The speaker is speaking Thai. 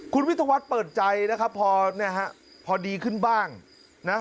คุณวิทยาวัตรเปิดใจนะครับพอดีขึ้นบ้างนะ